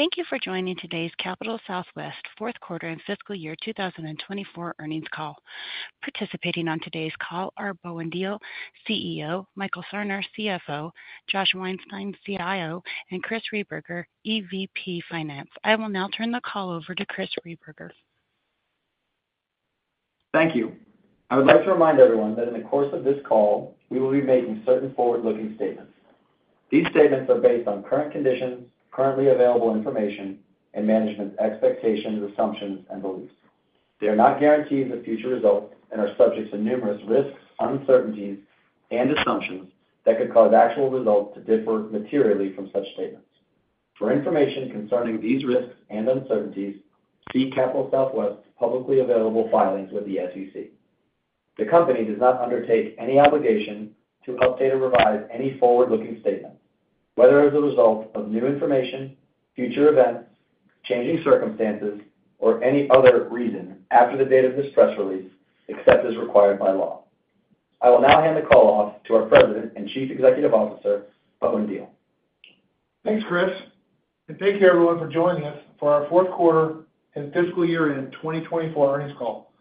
Thank you for joining today's Capital Southwest fourth quarter and fiscal year 2024 earnings call. Participating on today's call are Bowen Diehl, CEO; Michael Sarner, CFO; Josh Weinstein, CIO; and Chris Rehberger, EVP Finance. I will now turn the call over to Chris Rehberger. Thank you. I would like to remind everyone that in the course of this call we will be making certain forward-looking statements. These statements are based on current conditions, currently available information, and management's expectations, assumptions, and beliefs. They are not guarantees of future results and are subject to numerous risks, uncertainties, and assumptions that could cause actual results to differ materially from such statements. For information concerning these risks and uncertainties, see Capital Southwest's publicly available filings with the SEC. The company does not undertake any obligation to update or revise any forward-looking statements, whether as a result of new information, future events, changing circumstances, or any other reason after the date of this press release except as required by law. I will now hand the call off to our President and Chief Executive Officer, Bowen Diehl. Thanks, Chris. Thank you, everyone, for joining us for our fourth quarter and fiscal year-end 2024 earnings call.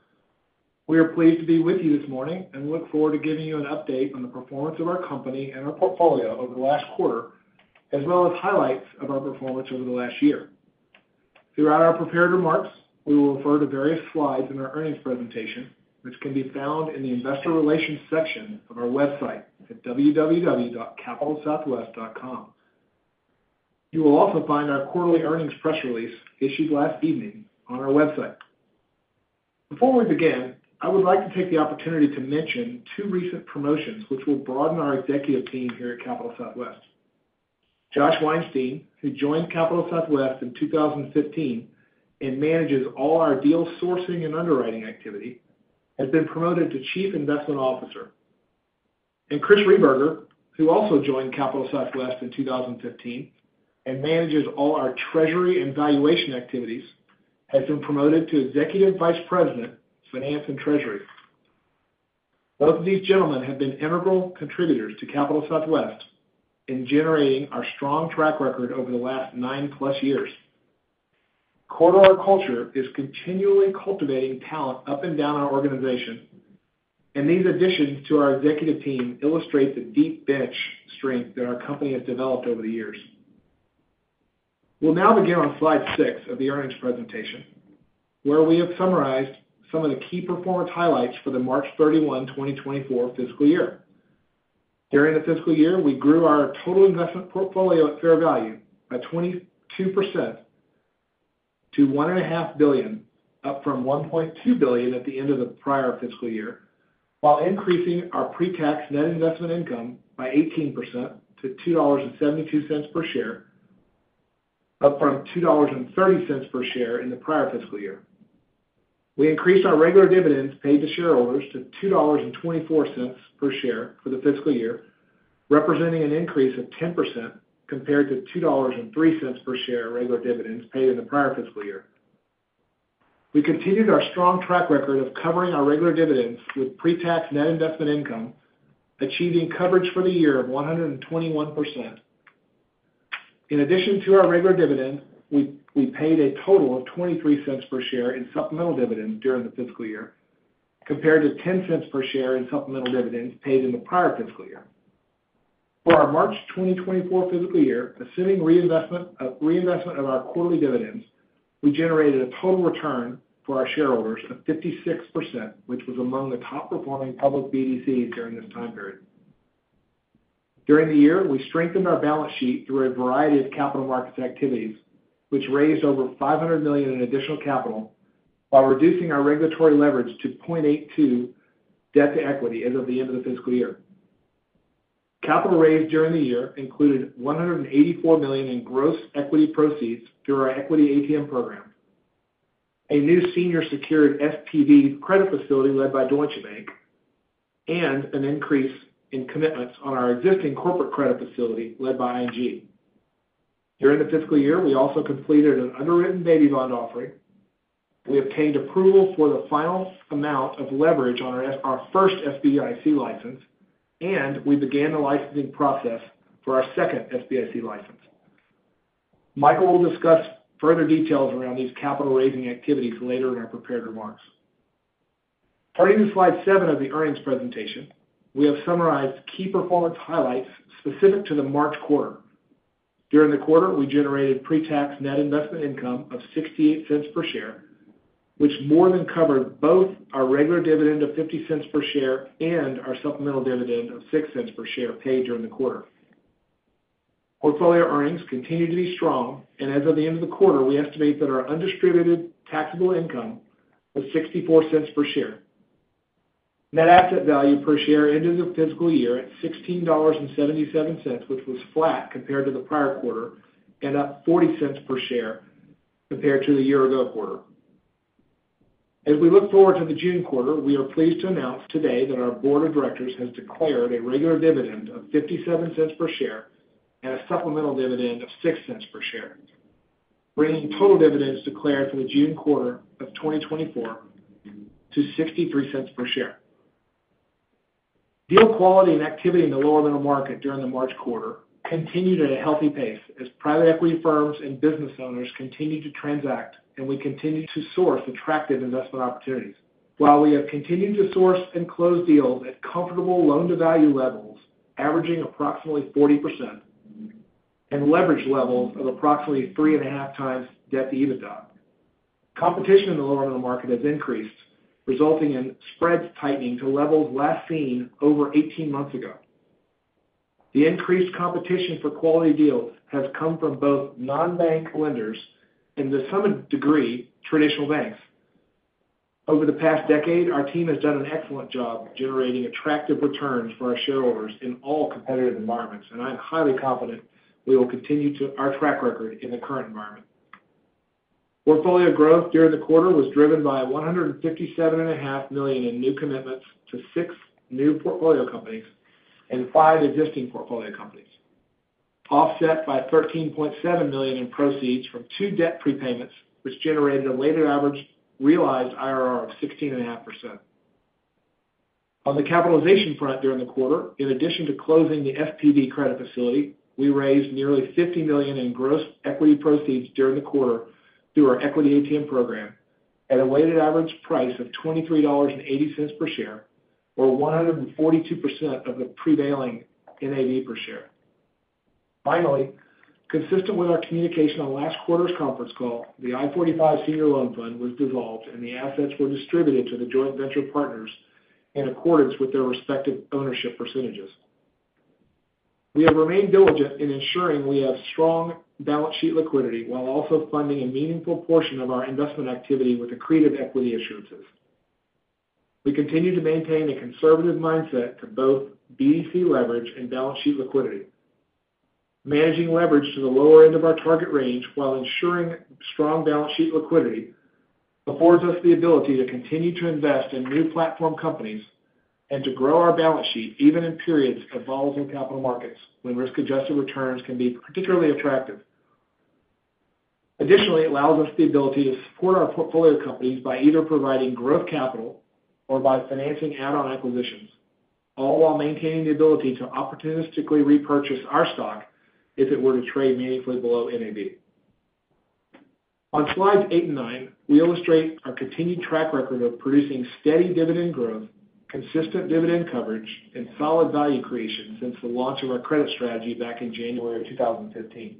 We are pleased to be with you this morning and look forward to giving you an update on the performance of our company and our portfolio over the last quarter, as well as highlights of our performance over the last year. Throughout our prepared remarks, we will refer to various slides in our earnings presentation, which can be found in the investor relations section of our website at www.capitalsouthwest.com. You will also find our quarterly earnings press release issued last evening on our website. Before we begin, I would like to take the opportunity to mention two recent promotions which will broaden our executive team here at Capital Southwest. Josh Weinstein, who joined Capital Southwest in 2015 and manages all our deal sourcing and underwriting activity, has been promoted to Chief Investment Officer. Chris Rehberger, who also joined Capital Southwest in 2015 and manages all our treasury and valuation activities, has been promoted to Executive Vice President, Finance and Treasury. Both of these gentlemen have been integral contributors to Capital Southwest in generating our strong track record over the last 9+ years. Corporate culture is continually cultivating talent up and down our organization, and these additions to our executive team illustrate the deep bench strength that our company has developed over the years. We'll now begin on slide 6 of the earnings presentation, where we have summarized some of the key performance highlights for the March 31, 2024, fiscal year. During the fiscal year, we grew our total investment portfolio at fair value by 22% to $1.5 billion, up from $1.2 billion at the end of the prior fiscal year, while increasing our pre-tax net investment income by 18% to $2.72 per share, up from $2.30 per share in the prior fiscal year. We increased our regular dividends paid to shareholders to $2.24 per share for the fiscal year, representing an increase of 10% compared to $2.03 per share regular dividends paid in the prior fiscal year. We continued our strong track record of covering our regular dividends with pre-tax net investment income, achieving coverage for the year of 121%. In addition to our regular dividends, we paid a total of $0.23 per share in supplemental dividends during the fiscal year, compared to $0.10 per share in supplemental dividends paid in the prior fiscal year. For our March 2024 fiscal year, assuming reinvestment of our quarterly dividends, we generated a total return for our shareholders of 56%, which was among the top-performing public BDCs during this time period. During the year, we strengthened our balance sheet through a variety of capital markets activities, which raised over $500 million in additional capital while reducing our regulatory leverage to 0.82 debt to equity as of the end of the fiscal year. Capital raised during the year included $184 million in gross equity proceeds through our equity ATM program, a new senior-secured SPV credit facility led by Deutsche Bank, and an increase in commitments on our existing corporate credit facility led by ING. During the fiscal year, we also completed an underwritten baby bond offering, we obtained approval for the final amount of leverage on our first SBIC license, and we began the licensing process for our second SBIC license. Michael will discuss further details around these capital-raising activities later in our prepared remarks. Turning to slide seven of the earnings presentation, we have summarized key performance highlights specific to the March quarter. During the quarter, we generated pre-tax net investment income of $0.68 per share, which more than covered both our regular dividend of $0.50 per share and our supplemental dividend of $0.06 per share paid during the quarter. Portfolio earnings continue to be strong, and as of the end of the quarter, we estimate that our undistributed taxable income was $0.64 per share. Net Asset Value per share ended the fiscal year at $16.77, which was flat compared to the prior quarter and up $0.40 per share compared to the year-ago quarter. As we look forward to the June quarter, we are pleased to announce today that our board of directors has declared a regular dividend of $0.57 per share and a supplemental dividend of $0.06 per share, bringing total dividends declared for the June quarter of 2024 to $0.63 per share. Deal quality and activity in the lower middle market during the March quarter continued at a healthy pace as private equity firms and business owners continued to transact, and we continued to source attractive investment opportunities. While we have continued to source and close deals at comfortable loan-to-value levels, averaging approximately 40%, and leverage levels of approximately 3.5 times debt-to-EBITDA, competition in the lower middle market has increased, resulting in spreads tightening to levels last seen over 18 months ago. The increased competition for quality deals has come from both non-bank lenders and, to some degree, traditional banks. Over the past decade, our team has done an excellent job generating attractive returns for our shareholders in all competitive environments, and I am highly confident we will continue our track record in the current environment. Portfolio growth during the quarter was driven by $157.5 million in new commitments to six new portfolio companies and five existing portfolio companies, offset by $13.7 million in proceeds from two debt prepayments, which generated a weighted average realized IRR of 16.5%. On the capitalization front during the quarter, in addition to closing the SPV credit facility, we raised nearly $50 million in gross equity proceeds during the quarter through our equity ATM program at a weighted average price of $23.80 per share, or 142% of the prevailing NAV per share. Finally, consistent with our communication on last quarter's conference call, the I-45 Senior Loan Fund was dissolved, and the assets were distributed to the joint venture partners in accordance with their respective ownership percentages. We have remained diligent in ensuring we have strong balance sheet liquidity while also funding a meaningful portion of our investment activity with accretive equity issuances. We continue to maintain a conservative mindset to both BDC leverage and balance sheet liquidity. Managing leverage to the lower end of our target range while ensuring strong balance sheet liquidity affords us the ability to continue to invest in new platform companies and to grow our balance sheet even in periods of volatile capital markets when risk-adjusted returns can be particularly attractive. Additionally, it allows us the ability to support our portfolio companies by either providing growth capital or by financing add-on acquisitions, all while maintaining the ability to opportunistically repurchase our stock if it were to trade meaningfully below NAV. On slides 8 and 9, we illustrate our continued track record of producing steady dividend growth, consistent dividend coverage, and solid value creation since the launch of our credit strategy back in January of 2015.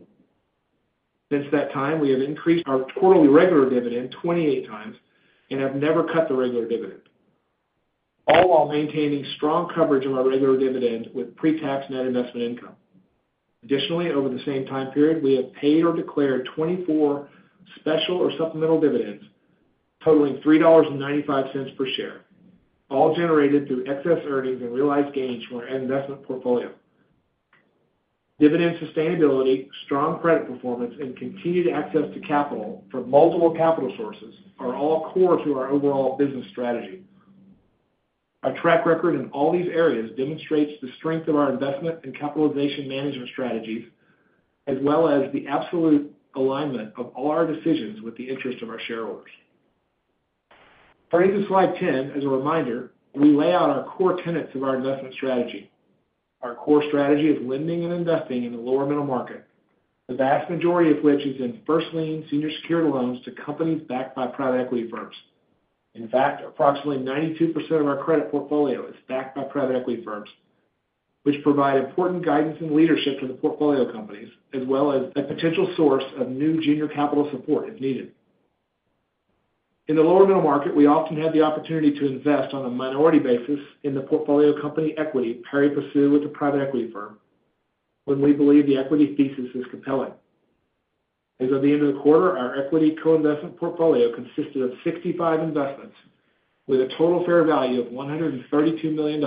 Since that time, we have increased our quarterly regular dividend 28 times and have never cut the regular dividend, all while maintaining strong coverage of our regular dividend with pre-tax net investment income. Additionally, over the same time period, we have paid or declared 24 special or supplemental dividends totaling $3.95 per share, all generated through excess earnings and realized gains from our investment portfolio. Dividend sustainability, strong credit performance, and continued access to capital from multiple capital sources are all core to our overall business strategy. Our track record in all these areas demonstrates the strength of our investment and capitalization management strategies, as well as the absolute alignment of all our decisions with the interests of our shareholders. Turning to slide 10 as a reminder, we lay out our core tenets of our investment strategy. Our core strategy is lending and investing in the lower middle market, the vast majority of which is in first-lien senior-secured loans to companies backed by private equity firms. In fact, approximately 92% of our credit portfolio is backed by private equity firms, which provide important guidance and leadership to the portfolio companies, as well as a potential source of new junior capital support if needed. In the lower middle market, we often have the opportunity to invest on a minority basis in the portfolio company equity pari passu with the private equity firm when we believe the equity thesis is compelling. As of the end of the quarter, our equity co-investment portfolio consisted of 65 investments with a total fair value of $132 million,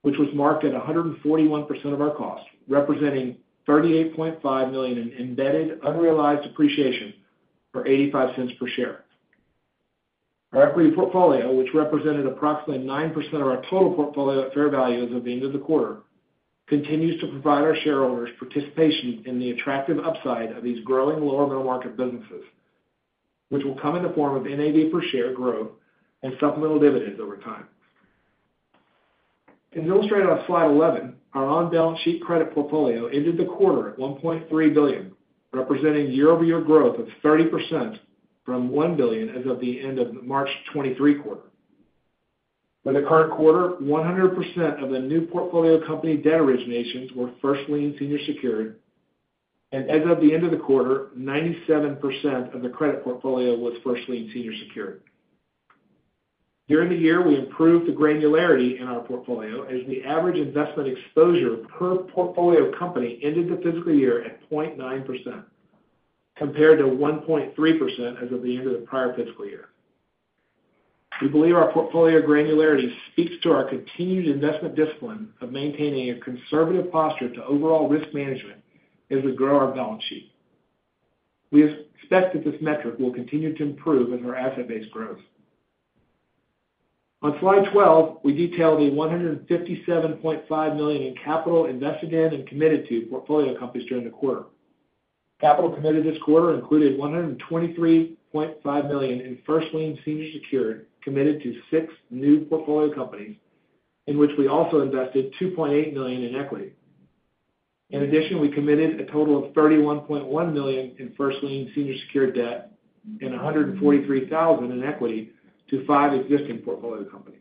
which was marked at 141% of our cost, representing $38.5 million in embedded unrealized appreciation for $0.85 per share. Our equity portfolio, which represented approximately 9% of our total portfolio at fair value as of the end of the quarter, continues to provide our shareholders participation in the attractive upside of these growing lower middle market businesses, which will come in the form of NAV per share growth and supplemental dividends over time. As illustrated on slide 11, our on-balance sheet credit portfolio ended the quarter at $1.3 billion, representing year-over-year growth of 30% from $1 billion as of the end of the March 2023 quarter. For the current quarter, 100% of the new portfolio company debt originations were first-lien senior-secured, and as of the end of the quarter, 97% of the credit portfolio was first-lien senior-secured. During the year, we improved the granularity in our portfolio as the average investment exposure per portfolio company ended the fiscal year at 0.9% compared to 1.3% as of the end of the prior fiscal year. We believe our portfolio granularity speaks to our continued investment discipline of maintaining a conservative posture to overall risk management as we grow our balance sheet. We expect that this metric will continue to improve as our asset base grows. On slide 12, we detail the $157.5 million in capital invested in and committed to portfolio companies during the quarter. Capital committed this quarter included $123.5 million in first-lien senior-secured committed to six new portfolio companies, in which we also invested $2.8 million in equity. In addition, we committed a total of $31.1 million in first-lien senior-secured debt and $143,000 in equity to five existing portfolio companies.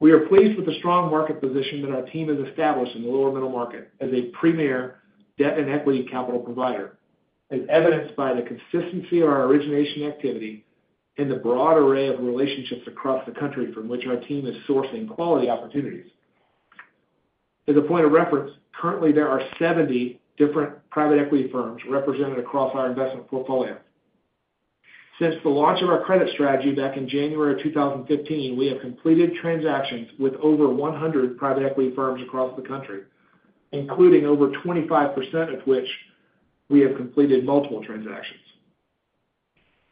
We are pleased with the strong market position that our team has established in the lower middle market as a premier debt and equity capital provider, as evidenced by the consistency of our origination activity and the broad array of relationships across the country from which our team is sourcing quality opportunities. As a point of reference, currently there are 70 different private equity firms represented across our investment portfolio. Since the launch of our credit strategy back in January of 2015, we have completed transactions with over 100 private equity firms across the country, including over 25% of which we have completed multiple transactions.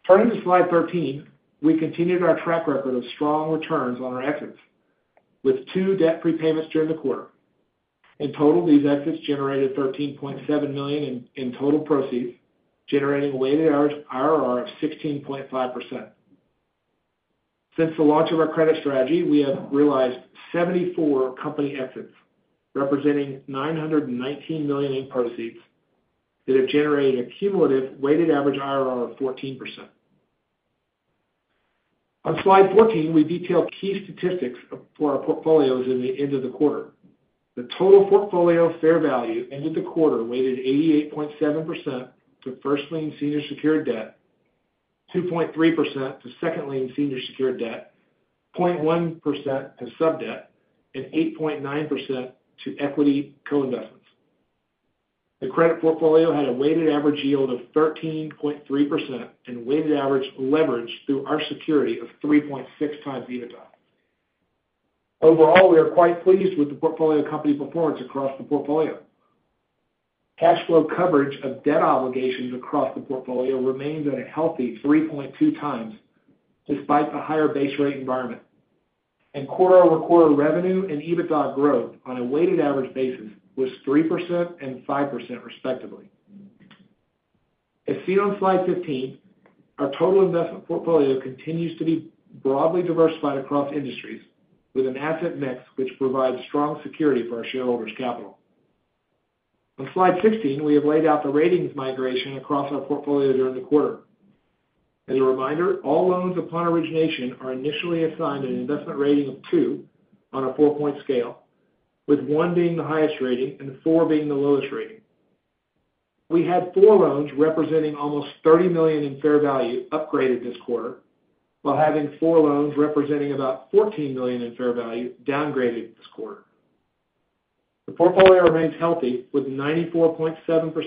Turning to slide 13, we continued our track record of strong returns on our exits with two debt prepayments during the quarter. In total, these exits generated $13.7 million in total proceeds, generating a weighted average IRR of 16.5%. Since the launch of our credit strategy, we have realized 74 company exits, representing $919 million in proceeds that have generated a cumulative weighted average IRR of 14%. On slide 14, we detail key statistics for our portfolios at the end of the quarter. The total portfolio fair value ended the quarter weighted 88.7% to first lien senior-secured debt, 2.3% to second lien senior-secured debt, 0.1% to sub-debt, and 8.9% to equity co-investments. The credit portfolio had a weighted average yield of 13.3% and weighted average leverage through our security of 3.6 times EBITDA. Overall, we are quite pleased with the portfolio company performance across the portfolio. Cash flow coverage of debt obligations across the portfolio remains at a healthy 3.2 times despite the higher base rate environment, and quarter-over-quarter revenue and EBITDA growth on a weighted average basis was 3% and 5%, respectively. As seen on slide 15, our total investment portfolio continues to be broadly diversified across industries with an asset mix which provides strong security for our shareholders' capital. On slide 16, we have laid out the ratings migration across our portfolio during the quarter. As a reminder, all loans upon origination are initially assigned an investment rating of two on a four-point scale, with 1 being the highest rating and four being the lowest rating. We had four loans representing almost $30 million in fair value upgraded this quarter while having four loans representing about $14 million in fair value downgraded this quarter. The portfolio remains healthy, with 94.7%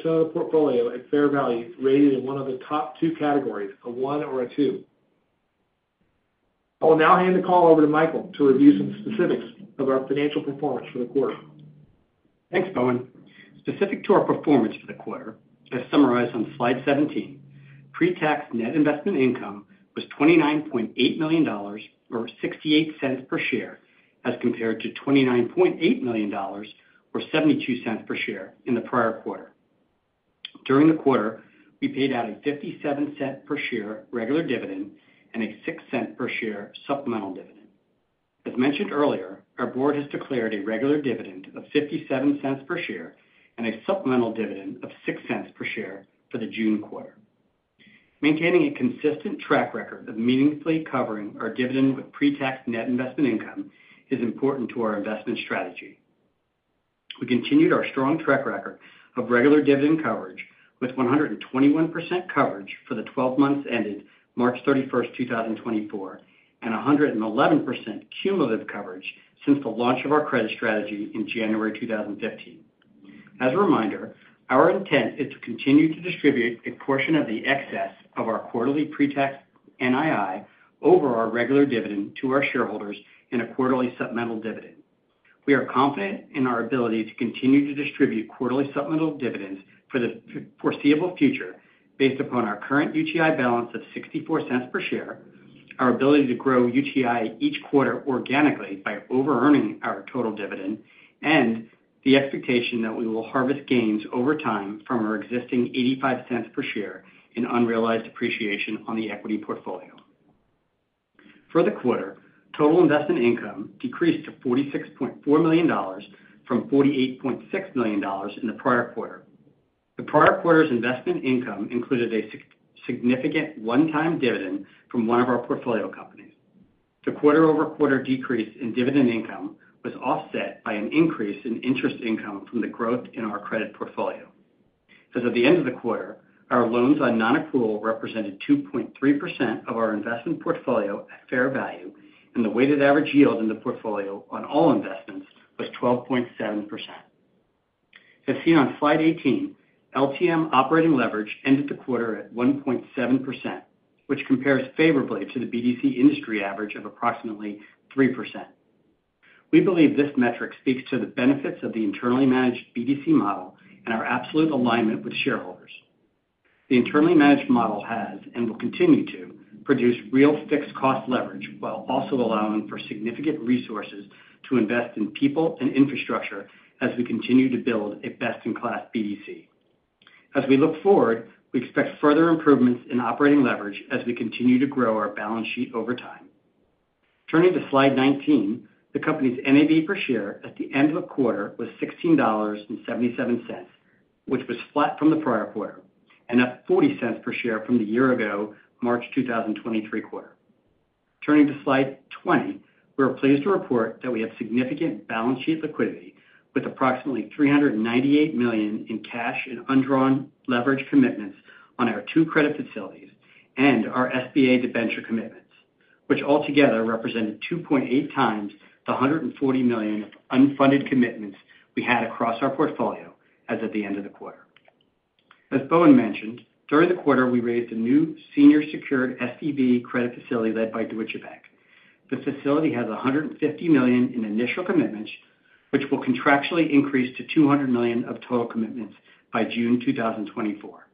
of the portfolio at fair value rated in one of the top two categories, a 1 or a 2. I will now hand the call over to Michael to review some specifics of our financial performance for the quarter. Thanks, Bowen. Specific to our performance for the quarter, as summarized on slide 17, pre-tax net investment income was $29.8 million or $0.68 per share as compared to $29.8 million or $0.72 per share in the prior quarter. During the quarter, we paid out a $0.57 per share regular dividend and a $0.06 per share supplemental dividend. As mentioned earlier, our board has declared a regular dividend of $0.57 per share and a supplemental dividend of $0.06 per share for the June quarter. Maintaining a consistent track record of meaningfully covering our dividend with pre-tax net investment income is important to our investment strategy. We continued our strong track record of regular dividend coverage with 121% coverage for the 12 months ended March 31, 2024, and 111% cumulative coverage since the launch of our credit strategy in January 2015. As a reminder, our intent is to continue to distribute a portion of the excess of our quarterly pre-tax NII over our regular dividend to our shareholders in a quarterly supplemental dividend. We are confident in our ability to continue to distribute quarterly supplemental dividends for the foreseeable future based upon our current UTI balance of $0.64 per share, our ability to grow UTI each quarter organically by over-earning our total dividend, and the expectation that we will harvest gains over time from our existing $0.85 per share in unrealized appreciation on the equity portfolio. For the quarter, total investment income decreased to $46.4 million from $48.6 million in the prior quarter. The prior quarter's investment income included a significant one-time dividend from one of our portfolio companies. The quarter-over-quarter decrease in dividend income was offset by an increase in interest income from the growth in our credit portfolio. As of the end of the quarter, our loans on non-accrual represented 2.3% of our investment portfolio at fair value, and the weighted average yield in the portfolio on all investments was 12.7%. As seen on slide 18, LTM operating leverage ended the quarter at 1.7%, which compares favorably to the BDC industry average of approximately 3%. We believe this metric speaks to the benefits of the internally managed BDC model and our absolute alignment with shareholders. The internally managed model has and will continue to produce real fixed-cost leverage while also allowing for significant resources to invest in people and infrastructure as we continue to build a best-in-class BDC. As we look forward, we expect further improvements in operating leverage as we continue to grow our balance sheet over time. Turning to slide 19, the company's NAV per share at the end of the quarter was $16.77, which was flat from the prior quarter and up $0.40 per share from the year ago, March 2023 quarter. Turning to slide 20, we are pleased to report that we have significant balance sheet liquidity with approximately $398 million in cash and undrawn leverage commitments on our two credit facilities and our SBA debenture commitments, which altogether represented 2.8 times the $140 million of unfunded commitments we had across our portfolio as of the end of the quarter. As Bowen mentioned, during the quarter we raised a new senior-secured SPV credit facility led by Deutsche Bank. The facility has $150 million in initial commitments, which will contractually increase to $200 million of total commitments by June 2024.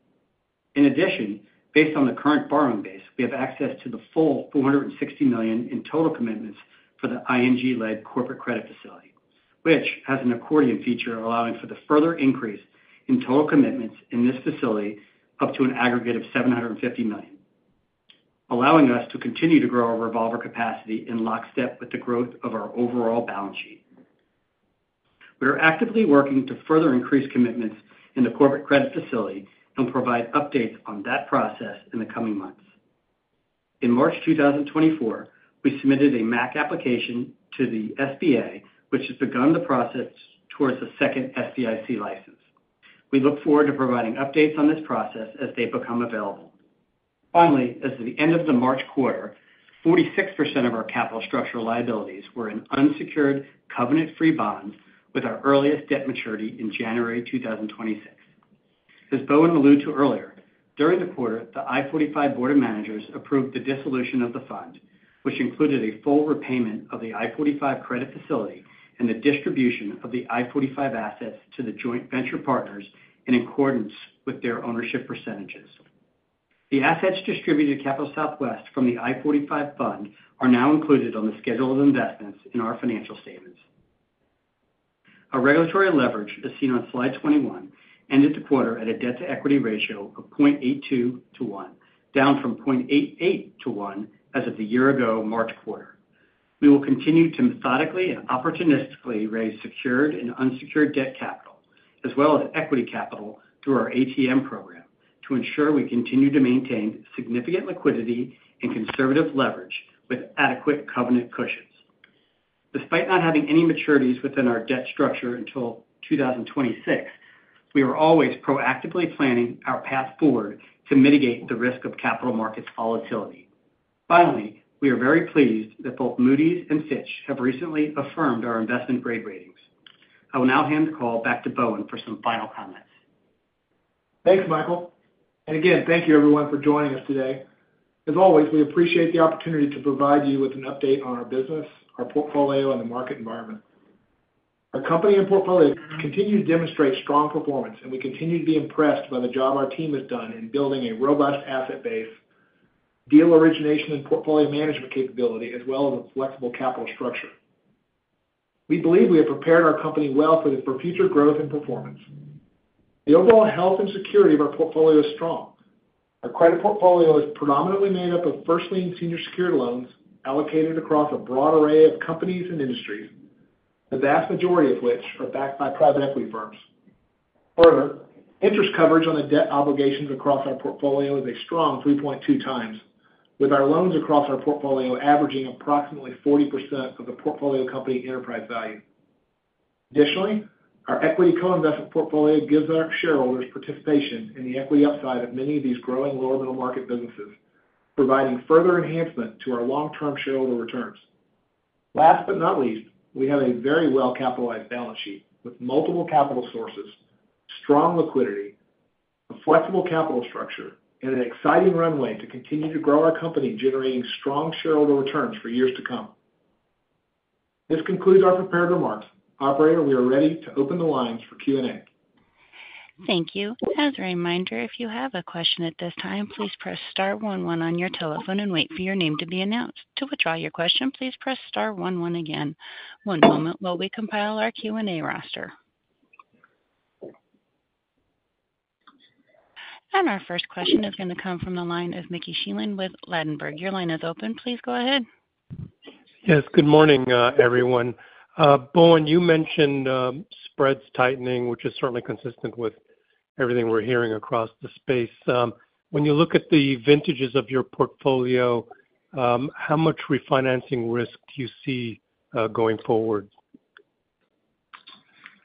In addition, based on the current borrowing base, we have access to the full $460 million in total commitments for the ING-led corporate credit facility, which has an accordion feature allowing for the further increase in total commitments in this facility up to an aggregate of $750 million, allowing us to continue to grow our revolver capacity in lockstep with the growth of our overall balance sheet. We are actively working to further increase commitments in the corporate credit facility and will provide updates on that process in the coming months. In March 2024, we submitted a MAQ application to the SBA, which has begun the process towards a second SBIC license. We look forward to providing updates on this process as they become available. Finally, as of the end of the March quarter, 46% of our capital structure liabilities were in unsecured covenant-free bonds with our earliest debt maturity in January 2026. As Bowen alluded to earlier, during the quarter, the I-45 Board of Managers approved the dissolution of the fund, which included a full repayment of the I-45 credit facility and the distribution of the I-45 assets to the joint venture partners in accordance with their ownership percentages. The assets distributed to Capital Southwest from the I-45 fund are now included on the schedule of investments in our financial statements. Our regulatory leverage, as seen on slide 21, ended the quarter at a debt-to-equity ratio of 0.82:1, down from 0.88:1 as of the year ago, March quarter. We will continue to methodically and opportunistically raise secured and unsecured debt capital, as well as equity capital, through our ATM program to ensure we continue to maintain significant liquidity and conservative leverage with adequate covenant cushions. Despite not having any maturities within our debt structure until 2026, we are always proactively planning our path forward to mitigate the risk of capital markets volatility. Finally, we are very pleased that both Moody's and Fitch have recently affirmed our investment-grade ratings. I will now hand the call back to Bowen for some final comments. Thanks, Michael. And again, thank you, everyone, for joining us today. As always, we appreciate the opportunity to provide you with an update on our business, our portfolio, and the market environment. Our company and portfolio continue to demonstrate strong performance, and we continue to be impressed by the job our team has done in building a robust asset base, deal origination and portfolio management capability, as well as a flexible capital structure. We believe we have prepared our company well for future growth and performance. The overall health and security of our portfolio is strong. Our credit portfolio is predominantly made up of first-lien senior-secured loans allocated across a broad array of companies and industries, the vast majority of which are backed by private equity firms. Further, interest coverage on the debt obligations across our portfolio is a strong 3.2 times, with our loans across our portfolio averaging approximately 40% of the portfolio company enterprise value. Additionally, our equity co-investment portfolio gives our shareholders participation in the equity upside of many of these growing lower middle market businesses, providing further enhancement to our long-term shareholder returns. Last but not least, we have a very well-capitalized balance sheet with multiple capital sources, strong liquidity, a flexible capital structure, and an exciting runway to continue to grow our company, generating strong shareholder returns for years to come. This concludes our prepared remarks. Operator, we are ready to open the lines for Q&A. Thank you. As a reminder, if you have a question at this time, please press star one one on your telephone and wait for your name to be announced. To withdraw your question, please press star one one again. One moment while we compile our Q&A roster. And our first question is going to come from the line of Mickey Schleifer with Ladenburg. Your line is open. Please go ahead. Yes. Good morning, everyone. Bowen, you mentioned spreads tightening, which is certainly consistent with everything we're hearing across the space. When you look at the vintages of your portfolio, how much refinancing risk do you see going forward?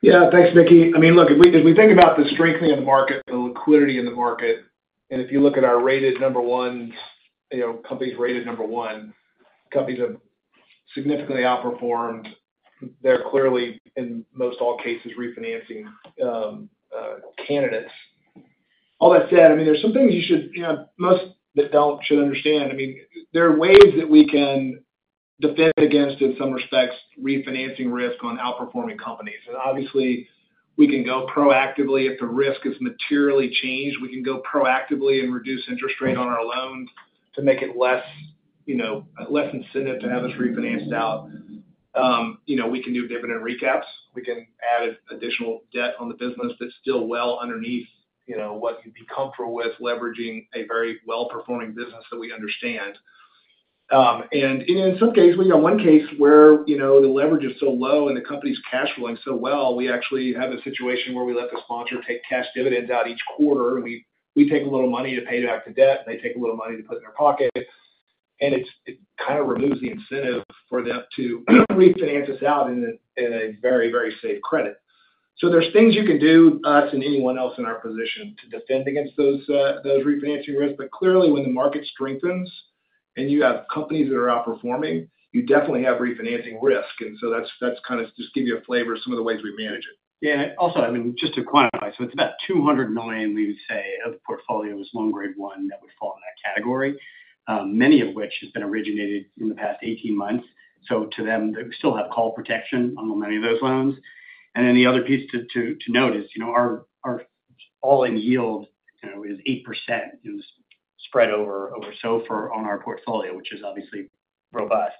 Yeah. Thanks, Mickey. I mean, look, if we think about the strengthening of the market, the liquidity in the market, and if you look at our rated number one companies, rated number one, companies that significantly outperformed, they're clearly, in most all cases, refinancing candidates. All that said, I mean, there's some things you should know that one should understand. I mean, there are ways that we can defend against, in some respects, refinancing risk on outperforming companies. Obviously, we can go proactively if the risk is materially changed. We can go proactively and reduce interest rate on our loans to make it less incentive to have us refinanced out. We can do dividend recaps. We can add additional debt on the business that's still well underneath what you'd be comfortable with leveraging a very well-performing business that we understand. In some cases, we've got one case where the leverage is so low and the company's cash rolling so well, we actually have a situation where we let the sponsor take cash dividends out each quarter, and we take a little money to pay back the debt, and they take a little money to put in their pocket. And it kind of removes the incentive for them to refinance us out in a very, very safe credit. So there's things you can do, us and anyone else in our position, to defend against those refinancing risks. But clearly, when the market strengthens and you have companies that are outperforming, you definitely have refinancing risk. And so that's kind of just give you a flavor of some of the ways we manage it. Yeah. And also, I mean, just to quantify, so it's about $200 million, we would say, of the portfolio is loan-grade one that would fall in that category, many of which has been originated in the past 18 months. So to them, they still have call protection on many of those loans. And then the other piece to note is our all-in yield is 8%, just spread over SOFR on our portfolio, which is obviously robust.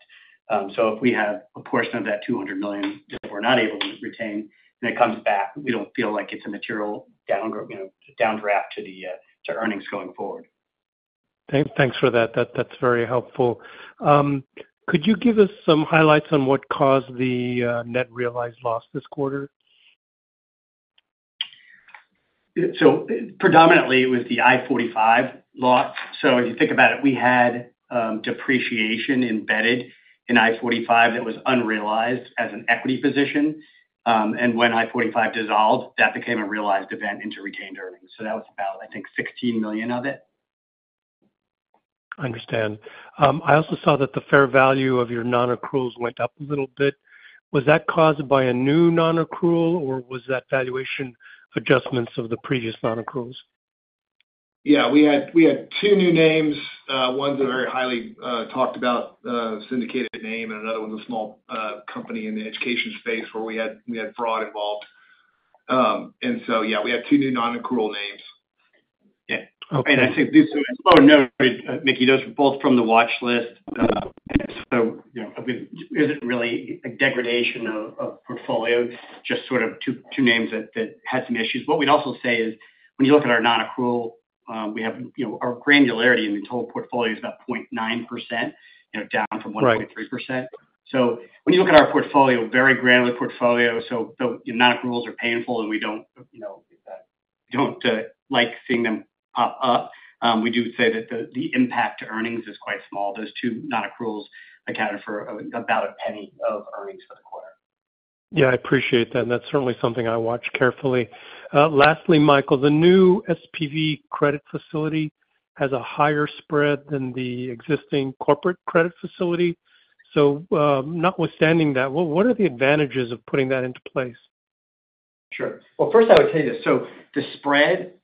So if we have a portion of that $200 million that we're not able to retain, then it comes back. We don't feel like it's a material downdraft to earnings going forward. Thanks for that. That's very helpful. Could you give us some highlights on what caused the net realized loss this quarter? Predominantly, it was the I-45 loss. If you think about it, we had depreciation embedded in I-45 that was unrealized as an equity position. When I-45 dissolved, that became a realized event into retained earnings. That was about, I think, $16 million of it. I understand. I also saw that the fair value of your non-accruals went up a little bit. Was that caused by a new non-accrual, or was that valuation adjustments of the previous non-accruals? Yeah. We had two new names. One's a very highly talked-about syndicated name, and another one's a small company in the education space where we had fraud involved. And so yeah, we had two new non-accrual names. Yeah. I think this is what Mickey noted, both from the watchlist. So I mean, it isn't really a degradation of portfolio, just sort of two names that had some issues. What we'd also say is, when you look at our non-accrual, our granularity in the total portfolio is about 0.9%, down from 1.3%. So when you look at our portfolio, very granular portfolio, so the non-accruals are painful, and we don't like seeing them pop up. We do say that the impact to earnings is quite small. Those two non-accruals accounted for about $0.01 of earnings for the quarter. Yeah. I appreciate that. And that's certainly something I watch carefully. Lastly, Michael, the new SPV credit facility has a higher spread than the existing corporate credit facility. So notwithstanding that, what are the advantages of putting that into place? Sure. Well, first, I would tell you this. So the spread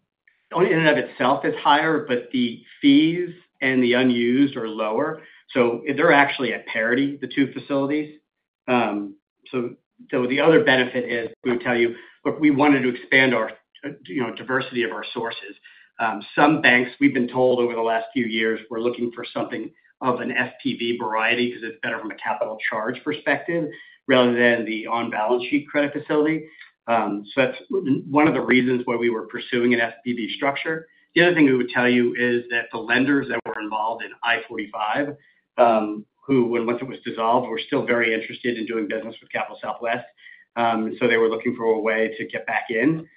in and of itself is higher, but the fees and the unused are lower. So they're actually at parity, the two facilities. So the other benefit is we would tell you, "Look, we wanted to expand our diversity of our sources." Some banks, we've been told over the last few years, were looking for something of an SPV variety because it's better from a capital charge perspective rather than the on-balance sheet credit facility. So that's one of the reasons why we were pursuing an SPV structure. The other thing we would tell you is that the lenders that were involved in I-45, who, once it was dissolved, were still very interested in doing business with Capital Southwest, and so they were looking for a way to get back in.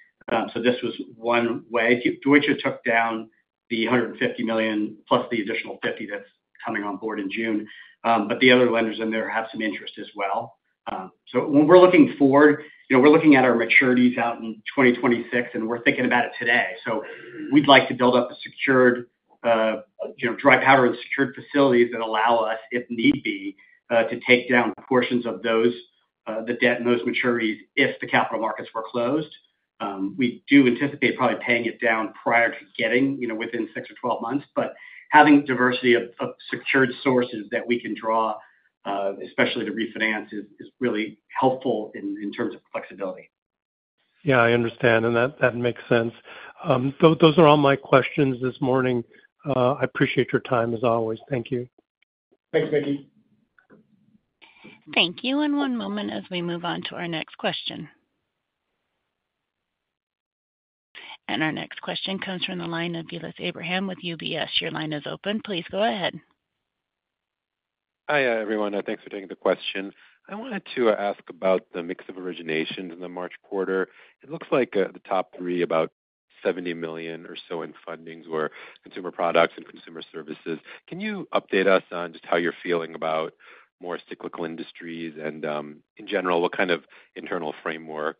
So this was one way. Deutsche took down the $150 million plus the additional $50 million that's coming on board in June. But the other lenders in there have some interest as well. So when we're looking forward, we're looking at our maturities out in 2026, and we're thinking about it today. So we'd like to build up a secured dry powder and secured facilities that allow us, if need be, to take down portions of the debt and those maturities if the capital markets were closed. We do anticipate probably paying it down prior to getting within six or 12 months. But having diversity of secured sources that we can draw, especially to refinance, is really helpful in terms of flexibility. Yeah. I understand. And that makes sense. Those are all my questions this morning. I appreciate your time, as always. Thank you. Thanks, Mickey. Thank you. One moment as we move on to our next question. Our next question comes from the line of Vilas Abraham with UBS. Your line is open. Please go ahead. Hi, everyone. Thanks for taking the question. I wanted to ask about the mix of originations in the March quarter. It looks like the top three, about $70 million or so in fundings, were consumer products and consumer services. Can you update us on just how you're feeling about more cyclical industries and, in general, what kind of internal framework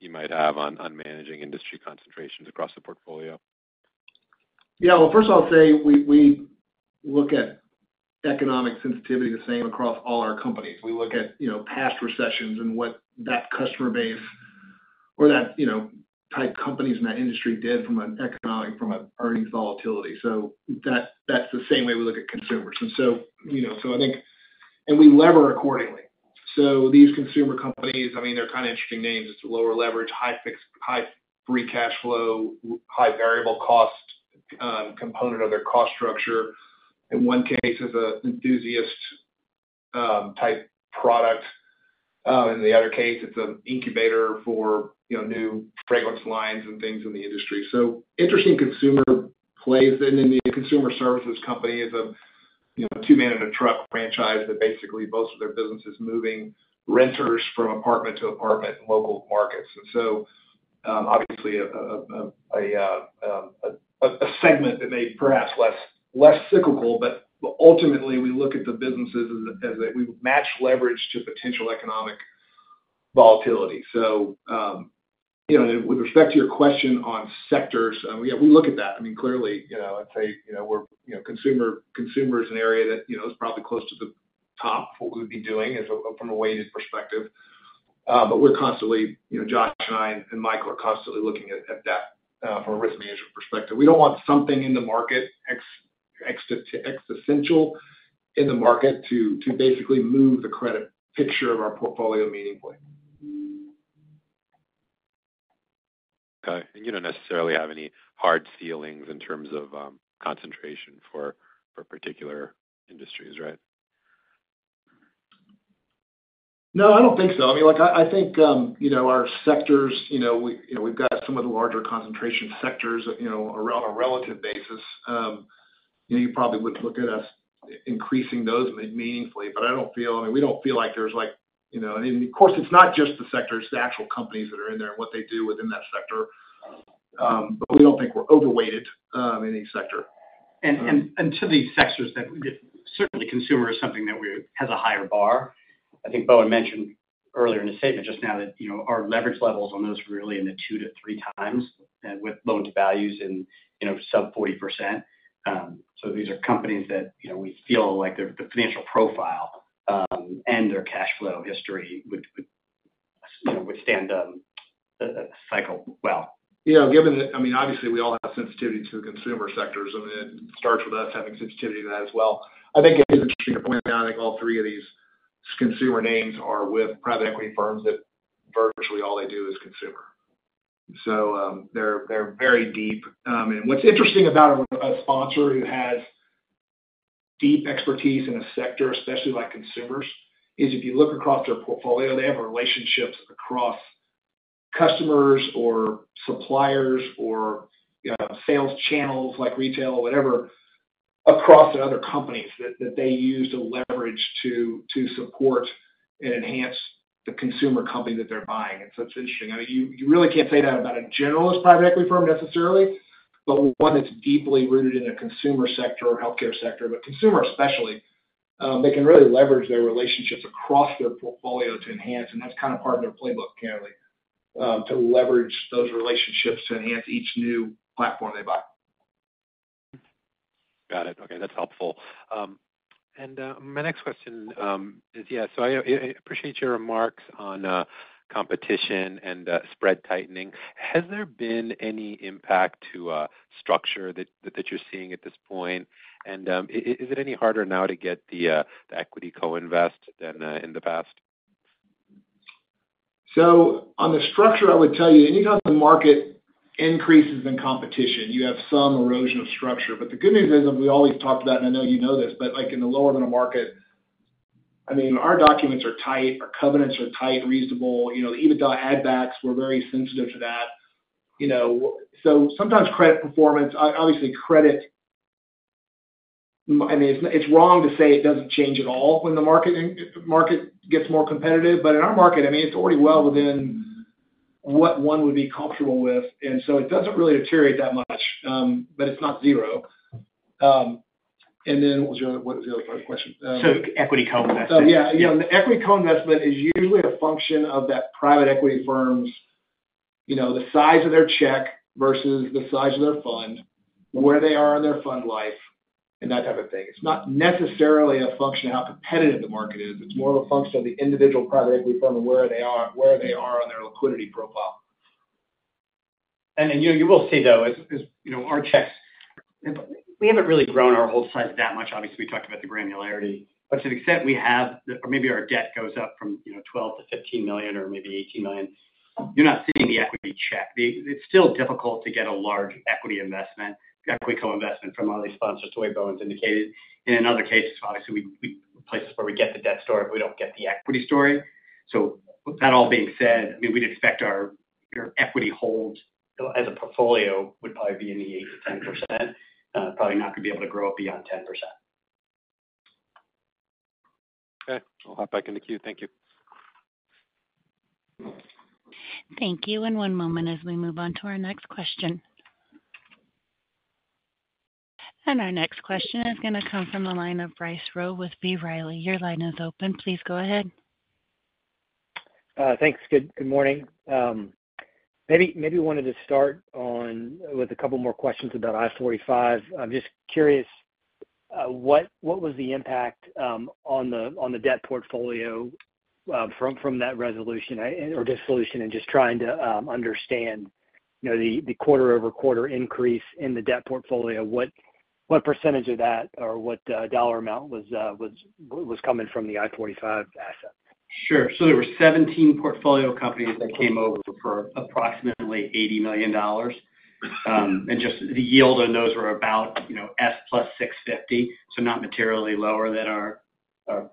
you might have on managing industry concentrations across the portfolio? Yeah. Well, first, I'll say we look at economic sensitivity the same across all our companies. We look at past recessions and what that customer base or that type companies in that industry did from an economic from an earnings volatility. So that's the same way we look at consumers. And so I think and we lever accordingly. So these consumer companies, I mean, they're kind of interesting names. It's a lower leverage, high free cash flow, high variable cost component of their cost structure. In one case, it's an enthusiast-type product. In the other case, it's an incubator for new fragrance lines and things in the industry. So interesting consumer plays in. And the consumer services company is a Two men and a Ttruck franchise that basically boasts of their business as moving renters from apartment to apartment in local markets. And so obviously, a segment that may be perhaps less cyclical. But ultimately, we look at the businesses as we match leverage to potential economic volatility. So with respect to your question on sectors, yeah, we look at that. I mean, clearly, I'd say we're in consumer in an area that's probably close to the top for what we would be doing from a weighted perspective. But we're constantly—Josh and I and Michael—are constantly looking at that from a risk management perspective. We don't want something in the market, excessively sensitive in the market, to basically move the credit picture of our portfolio meaningfully. Okay. You don't necessarily have any hard ceilings in terms of concentration for particular industries, right? No, I don't think so. I mean, I think our sectors, we've got some of the larger concentration sectors on a relative basis. You probably would look at us increasing those meaningfully. But I don't feel, I mean, we don't feel like there's, and of course, it's not just the sectors. It's the actual companies that are in there and what they do within that sector. But we don't think we're overweighted in any sector. To these sectors, certainly, consumer is something that has a higher bar. I think Bowen mentioned earlier in his statement just now that our leverage levels on those are really in the 2-3 times with loan-to-values in sub-40%. So these are companies that we feel like the financial profile and their cash flow history would withstand a cycle well. Yeah. I mean, obviously, we all have sensitivity to the consumer sectors. I mean, it starts with us having sensitivity to that as well. I think it is interesting to point out, I think, all three of these consumer names are with private equity firms that virtually all they do is consumer. So they're very deep. And what's interesting about a sponsor who has deep expertise in a sector, especially like consumers, is if you look across their portfolio, they have relationships across customers or suppliers or sales channels like retail or whatever across other companies that they use to leverage to support and enhance the consumer company that they're buying. And so it's interesting. I mean, you really can't say that about a generalist private equity firm necessarily, but one that's deeply rooted in a consumer sector or healthcare sector, but consumer especially, they can really leverage their relationships across their portfolio to enhance. And that's kind of part of their playbook, candidly, to leverage those relationships to enhance each new platform they buy. Got it. Okay. That's helpful. And my next question is, yeah, so I appreciate your remarks on competition and spread tightening. Has there been any impact to structure that you're seeing at this point? And is it any harder now to get the equity co-invest than in the past? So on the structure, I would tell you, anytime the market increases in competition, you have some erosion of structure. But the good news is, and we always talked about it, and I know you know this, but in the lower middle market, I mean, our documents are tight. Our covenants are tight, reasonable. The EBITDA add-backs, we're very sensitive to that. So sometimes credit performance, obviously, credit I mean, it's wrong to say it doesn't change at all when the market gets more competitive. But in our market, I mean, it's already well within what one would be comfortable with. And so it doesn't really deteriorate that much, but it's not zero. And then what was the other part of the question? So equity co-investing. So yeah. The equity co-investment is usually a function of that private equity firm's the size of their check versus the size of their fund, where they are in their fund life, and that type of thing. It's not necessarily a function of how competitive the market is. It's more of a function of the individual private equity firm and where they are on their liquidity profile. And you will see, though, as our checks we haven't really grown our hold size that much. Obviously, we talked about the granularity. But to the extent we have or maybe our debt goes up from $12 million-$15 million or maybe $18 million, you're not seeing the equity check. It's still difficult to get a large equity investment, equity co-investment from all these sponsors, the way Bowen's indicated. And in other cases, obviously, places where we get the debt story, but we don't get the equity story. So that all being said, I mean, we'd expect our equity hold as a portfolio would probably be in the 8%-10%, probably not going to be able to grow it beyond 10%. Okay. I'll hop back into queue. Thank you. Thank you. One moment as we move on to our next question. Our next question is going to come from the line of Bryce Rowe with B. Riley. Your line is open. Please go ahead. Thanks. Good morning. Maybe I wanted to start with a couple more questions about I-45. I'm just curious, what was the impact on the debt portfolio from that resolution or dissolution and just trying to understand the quarter-over-quarter increase in the debt portfolio? What percentage of that or what dollar amount was coming from the I-45 assets? Sure. So there were 17 portfolio companies that came over for approximately $80 million. And just the yield on those were about S + 650, so not materially lower than our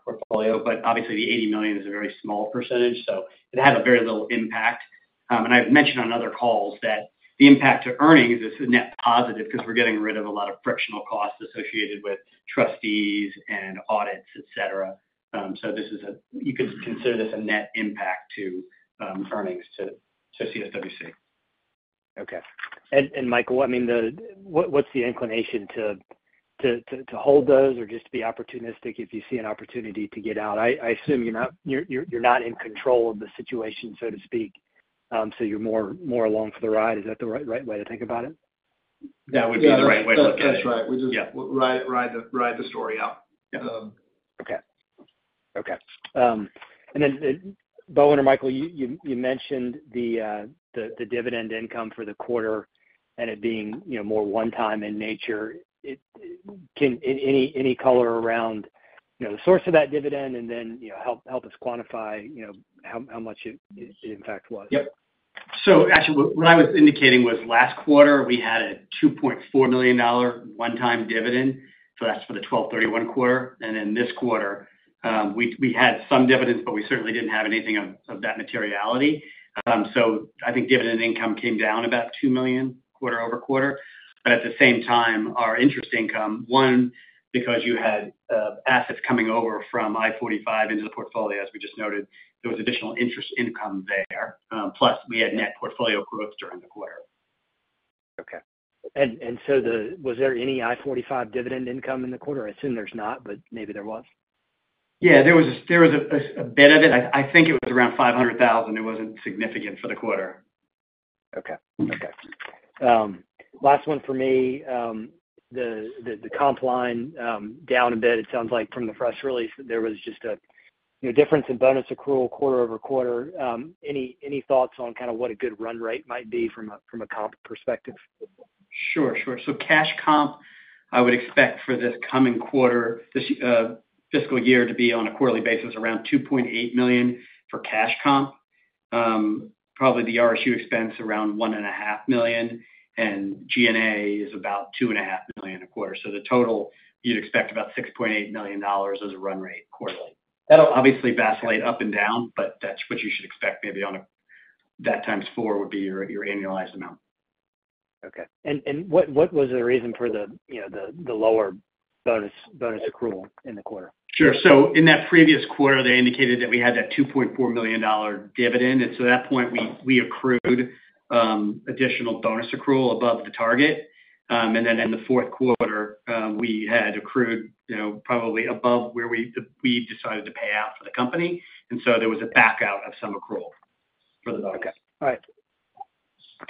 portfolio. But obviously, the $80 million is a very small percentage. So it had a very little impact. And I've mentioned on other calls that the impact to earnings is net positive because we're getting rid of a lot of frictional costs associated with trustees and audits, etc. So you could consider this a net impact to earnings to CSWC. Okay. And Michael, I mean, what's the inclination to hold those or just be opportunistic if you see an opportunity to get out? I assume you're not in control of the situation, so to speak. So you're more along for the ride. Is that the right way to think about it? That would be the right way to look at it. Yeah. That's right. We ride the story out. Yeah. Okay. Okay. And then Bowen or Michael, you mentioned the dividend income for the quarter and it being more one-time in nature. Any color around the source of that dividend and then help us quantify how much it, in fact, was? Yep. So actually, what I was indicating was last quarter, we had a $2.4 million one-time dividend. So that's for the 12/31 quarter. And in this quarter, we had some dividends, but we certainly didn't have anything of that materiality. So I think dividend income came down about $2 million quarter-over-quarter. But at the same time, our interest income, one, because you had assets coming over from I-45 into the portfolio, as we just noted, there was additional interest income there, plus we had net portfolio growth during the quarter. Okay. Was there any I-45 dividend income in the quarter? I assume there's not, but maybe there was. Yeah. There was a bit of it. I think it was around $500,000. It wasn't significant for the quarter. Okay. Okay. Last one for me, the comp line down a bit, it sounds like from the press release, there was just a difference in bonus accrual quarter-over-quarter. Any thoughts on kind of what a good run rate might be from a comp perspective? Sure. Sure. So cash comp, I would expect for this coming quarter, this fiscal year, to be on a quarterly basis around $2.8 million for cash comp. Probably the RSU expense around $1.5 million, and G&A is about $2.5 million a quarter. So the total, you'd expect about $6.8 million as a run rate quarterly. That'll obviously vacillate up and down, but that's what you should expect. Maybe that times four would be your annualized amount. Okay. And what was the reason for the lower bonus accrual in the quarter? Sure. So in that previous quarter, they indicated that we had that $2.4 million dividend. And so at that point, we accrued additional bonus accrual above the target. And then in the fourth quarter, we had accrued probably above where we decided to pay out for the company. And so there was a backout of some accrual for the bonus. Okay. All right.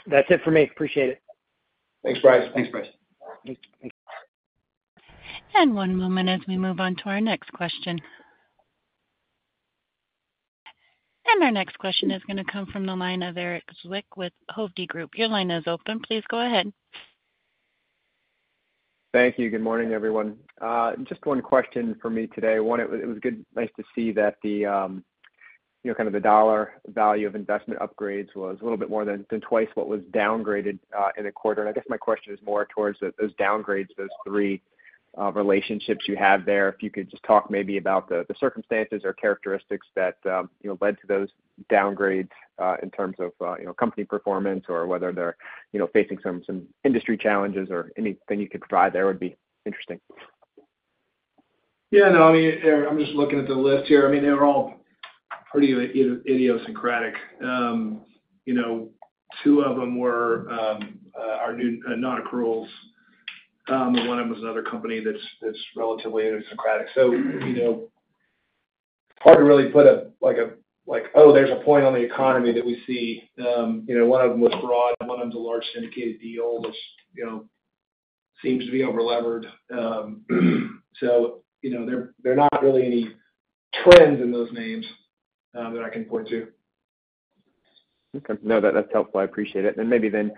That's it for me. Appreciate it. Thanks, Bryce. Thanks, Bryce. Thank you. One moment as we move on to our next question. Our next question is going to come from the line of Erik Zwick with Hovde Group. Your line is open. Please go ahead. Thank you. Good morning, everyone. Just one question for me today. One, it was nice to see that kind of the dollar value of investment upgrades was a little bit more than twice what was downgraded in a quarter. I guess my question is more towards those downgrades, those three relationships you have there. If you could just talk maybe about the circumstances or characteristics that led to those downgrades in terms of company performance or whether they're facing some industry challenges or anything you could provide there would be interesting. Yeah. No, I mean, Eric, I'm just looking at the list here. I mean, they were all pretty idiosyncratic. Two of them were our new non-accruals. And one of them was another company that's relatively idiosyncratic. So it's hard to really put up like, "Oh, there's a point on the economy that we see." One of them was broad. One of them's a large syndicated deal that seems to be overlevered. So there are not really any trends in those names that I can point to. Okay. No, that's helpful. I appreciate it. And maybe then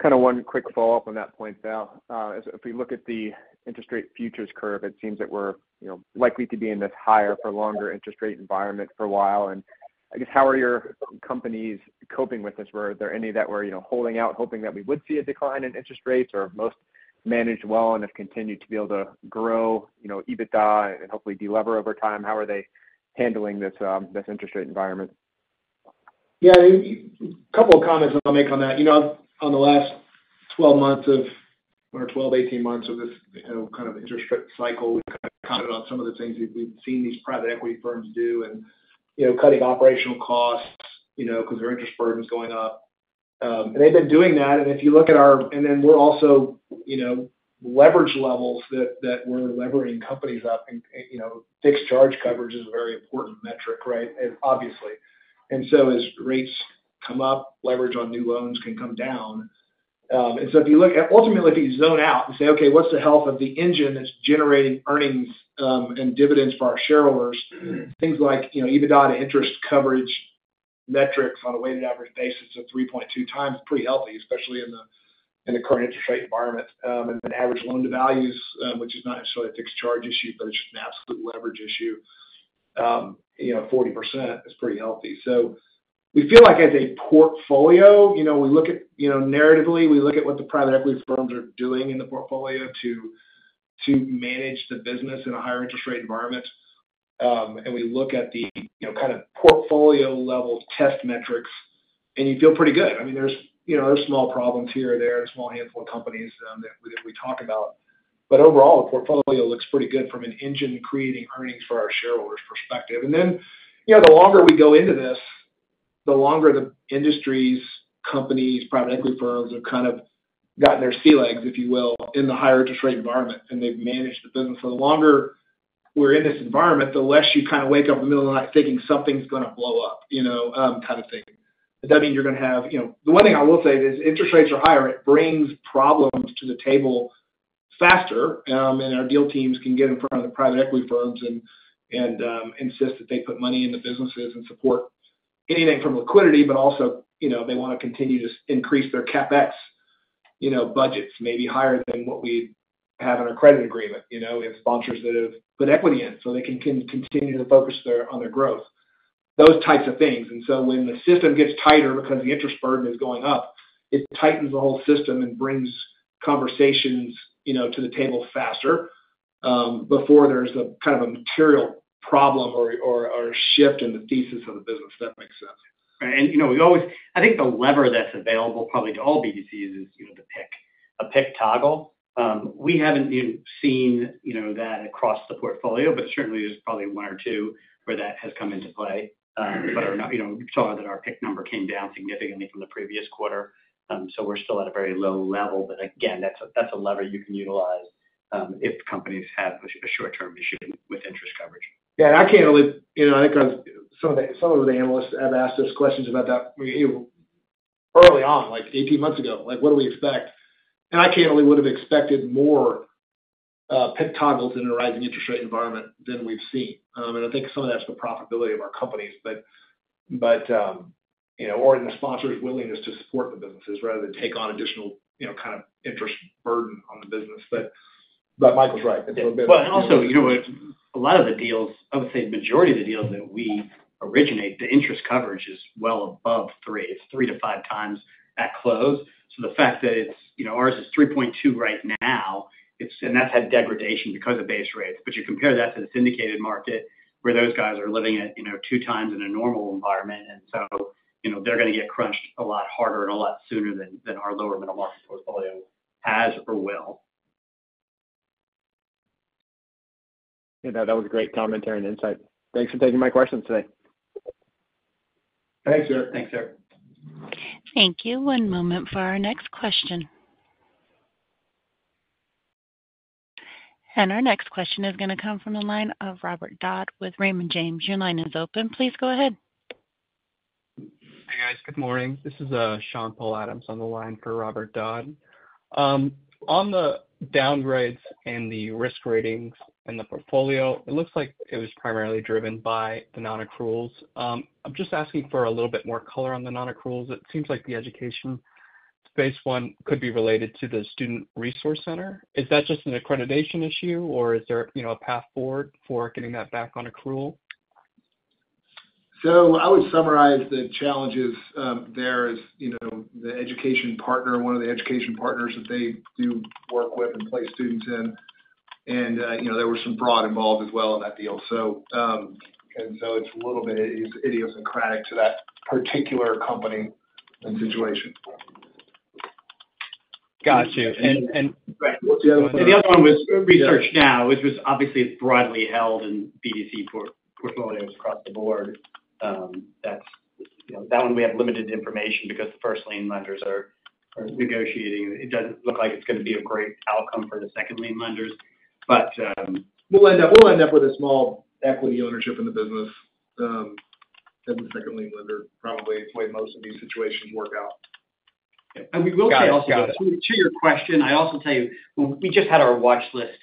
kind of one quick follow-up on that points out. If we look at the interest rate futures curve, it seems that we're likely to be in this higher-for-longer interest rate environment for a while. And I guess, how are your companies coping with this? Are there any that were holding out, hoping that we would see a decline in interest rates, or most managed well and have continued to be able to grow EBITDA and hopefully delever over time? How are they handling this interest rate environment? Yeah. A couple of comments I'll make on that. On the last 12 months or 12-18 months of this kind of interest rate cycle, we've kind of commented on some of the things we've seen these private equity firms do and cutting operational costs because their interest burden's going up. And they've been doing that. And if you look at our leverage levels that we're levering companies up. Fixed charge coverage is a very important metric, right, obviously. And so as rates come up, leverage on new loans can come down. And so, ultimately, if you zoom out and say, "Okay, what's the health of the engine that's generating earnings and dividends for our shareholders?" Things like EBITDA to interest coverage metrics on a weighted average basis of 3.2 times is pretty healthy, especially in the current interest rate environment. And then average loan-to-values, which is not necessarily a fixed charge issue, but it's just an absolute leverage issue, 40% is pretty healthy. So we feel like as a portfolio, we look at narratively, we look at what the private equity firms are doing in the portfolio to manage the business in a higher interest rate environment. And we look at the kind of portfolio-level test metrics, and you feel pretty good. I mean, there's small problems here or there in a small handful of companies that we talk about. But overall, the portfolio looks pretty good from an engine-creating earnings for our shareholders perspective. And then the longer we go into this, the longer the industries, companies, private equity firms have kind of gotten their sea legs, if you will, in the higher interest rate environment, and they've managed the business. So the longer we're in this environment, the less you kind of wake up in the middle of the night thinking something's going to blow up kind of thing. Does that mean you're going to have the one thing I will say is interest rates are higher. It brings problems to the table faster. Our deal teams can get in front of the private equity firms and insist that they put money in the businesses and support anything from liquidity, but also they want to continue to increase their CapEx budgets, maybe higher than what we have in our credit agreement. We have sponsors that have put equity in so they can continue to focus on their growth, those types of things. And so when the system gets tighter because the interest burden is going up, it tightens the whole system and brings conversations to the table faster before there's kind of a material problem or shift in the thesis of the business, if that makes sense. And we always, I think, the lever that's available probably to all BDCs is the PIK toggle. We haven't seen that across the portfolio, but certainly, there's probably one or two where that has come into play. But you saw that our PIK number came down significantly from the previous quarter. So we're still at a very low level. But again, that's a lever you can utilize if companies have a short-term issue with interest coverage. Yeah. And I can't really, I think some of the analysts have asked us questions about that early on, like 18 months ago. What do we expect? And I can't really would have expected more PIK toggles in a rising interest rate environment than we've seen. And I think some of that's the profitability of our companies or in the sponsors' willingness to support the businesses rather than take on additional kind of interest burden on the business. But Michael's right. It's a little bit of both. Well, and also, a lot of the deals I would say the majority of the deals that we originate, the interest coverage is well above three. It's 3-5 times at close. So the fact that ours is 3.2 right now, and that's had degradation because of base rates. But you compare that to the syndicated market where those guys are living at two times in a normal environment. And so they're going to get crunched a lot harder and a lot sooner than our lower middle market portfolio has or will. Yeah. No, that was a great commentary and insight. Thanks for taking my questions today. Thanks, sir. Thanks, sir. Thank you. One moment for our next question. Our next question is going to come from the line of Robert Dodd with Raymond James. Your line is open. Please go ahead. Hey, guys. Good morning. This is Sean-Paul Adams on the line for Robert Dodd. On the downgrades and the risk ratings in the portfolio, it looks like it was primarily driven by the non-accruals. I'm just asking for a little bit more color on the non-accruals. It seems like the education space, one, could be related to the Student Resource Center. Is that just an accreditation issue, or is there a path forward for getting that back on accrual? I would summarize the challenges there as the education partner, one of the education partners that they do work with and place students in. There were some fraud involved as well in that deal. So it's a little bit idiosyncratic to that particular company and situation. Gotcha. And. Right. What's the other one? And the other one was Research Now, which was obviously broadly held in BDC portfolios across the board. That one, we have limited information because the first lien lenders are negotiating. It doesn't look like it's going to be a great outcome for the second lien lenders. But. We'll end up with a small equity ownership in the business as a second lien lender. Probably it's the way most of these situations work out. We will say also to your question, I also tell you, we just had our watchlist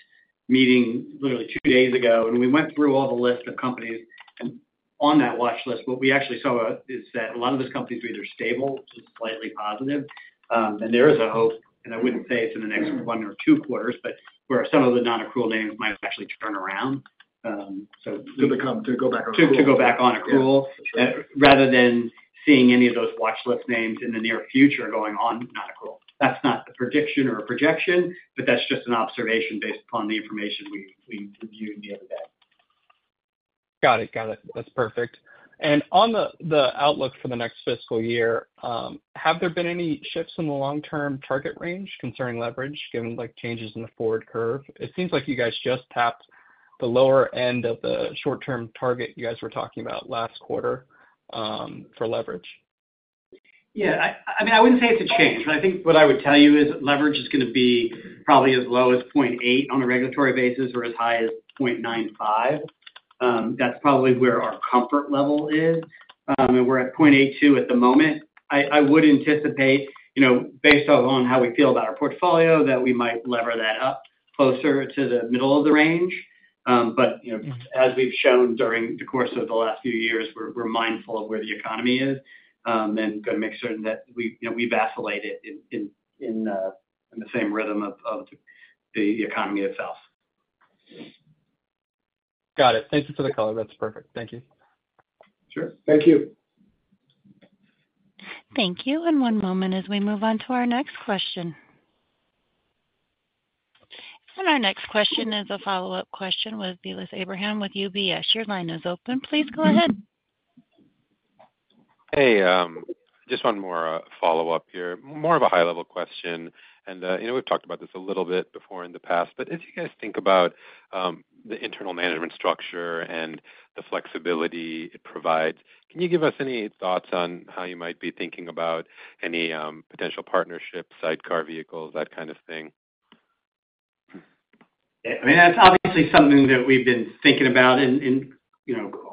meeting literally two days ago, and we went through all the list of companies. And on that watchlist, what we actually saw is that a lot of those companies were either stable or slightly positive. And there is a hope, and I wouldn't say it's in the next one or two quarters, but where some of the non-accrual names might actually turn around. To go back on accrual. To go back on accrual rather than seeing any of those watchlist names in the near future going on non-accrual. That's not a prediction or a projection, but that's just an observation based upon the information we reviewed the other day. Got it. Got it. That's perfect. On the outlook for the next fiscal year, have there been any shifts in the long-term target range concerning leverage given changes in the forward curve? It seems like you guys just tapped the lower end of the short-term target you guys were talking about last quarter for leverage. Yeah. I mean, I wouldn't say it's a change, but I think what I would tell you is leverage is going to be probably as low as 0.8 on a regulatory basis or as high as 0.95. That's probably where our comfort level is. And we're at 0.82 at the moment. I would anticipate, based on how we feel about our portfolio, that we might lever that up closer to the middle of the range. But as we've shown during the course of the last few years, we're mindful of where the economy is and going to make certain that we vacillate it in the same rhythm of the economy itself. Got it. Thank you for the color. That's perfect. Thank you. Sure. Thank you. Thank you. One moment as we move on to our next question. Our next question is a follow-up question with Vilas Abraham with UBS. Your line is open. Please go ahead. Hey. Just one more follow-up here. More of a high-level question. And we've talked about this a little bit before in the past. But if you guys think about the internal management structure and the flexibility it provides, can you give us any thoughts on how you might be thinking about any potential partnerships, sidecar vehicles, that kind of thing? I mean, that's obviously something that we've been thinking about and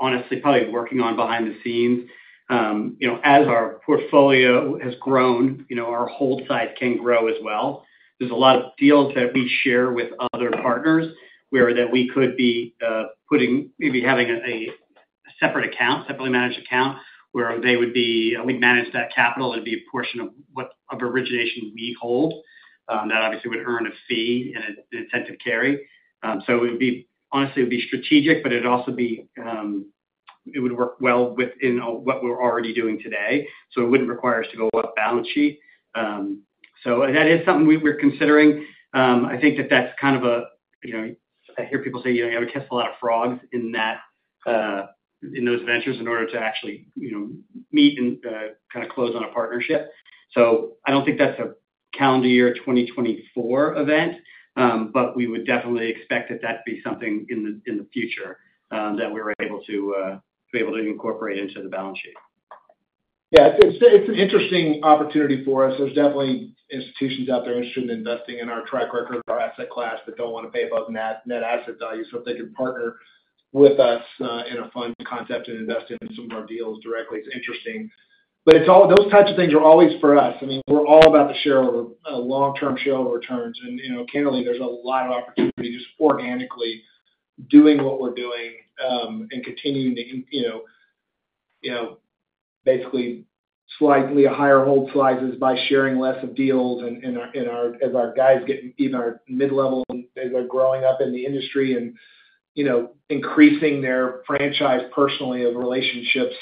honestly probably working on behind the scenes. As our portfolio has grown, our hold size can grow as well. There's a lot of deals that we share with other partners where that we could be putting maybe having a separate account, separately managed account, where they would be we'd manage that capital. It'd be a portion of origination we hold. That obviously would earn a fee and an attempted carry. So honestly, it would be strategic, but it'd also be it would work well within what we're already doing today. So it wouldn't require us to go up balance sheet. So that is something we're considering. I think that that's kind of a. I hear people say you have to kiss a lot of frogs in those ventures in order to actually meet and kind of close on a partnership. So I don't think that's a calendar year 2024 event, but we would definitely expect that that'd be something in the future that we were able to be able to incorporate into the balance sheet. Yeah. It's an interesting opportunity for us. There's definitely institutions out there interested in investing in our track record, our asset class, that don't want to pay above net asset value. So if they can partner with us in a fund concept and invest in some of our deals directly, it's interesting. But those types of things are always for us. I mean, we're all about the long-term shareholder returns. And candidly, there's a lot of opportunity just organically doing what we're doing and continuing to basically slightly higher hold sizes by sharing less of deals. And as our guys get even our mid-level, as they're growing up in the industry and increasing their franchise personally of relationships,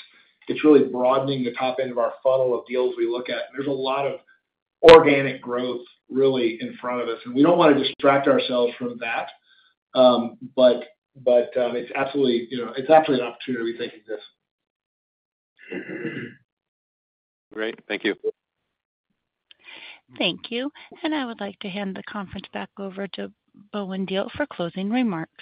it's really broadening the top end of our funnel of deals we look at. And there's a lot of organic growth really in front of us. We don't want to distract ourselves from that. But it's absolutely an opportunity we think exists. Great. Thank you. Thank you. I would like to hand the conference back over to Bowen Diehl for closing remarks.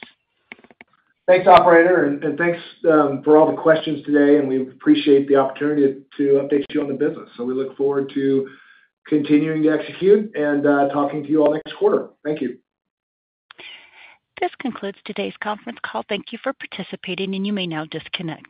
Thanks, operator. Thanks for all the questions today. We appreciate the opportunity to update you on the business. We look forward to continuing to execute and talking to you all next quarter. Thank you. This concludes today's conference call. Thank you for participating, and you may now disconnect.